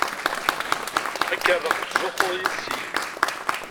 Ad k-rreɣ tettzuxxuḍ yess-i.